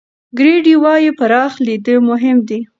ګرېډي وايي، پراخ لید مهم دی.